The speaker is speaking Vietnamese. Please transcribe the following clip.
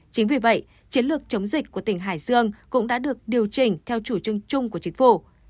chính vì vậy chiến lược chống dịch của tỉnh hải dương cũng đã được điều chỉnh theo chủ trương chung của chính phủ